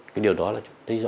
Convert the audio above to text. cái điều đó là